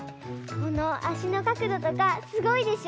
このあしのかくどとかすごいでしょ！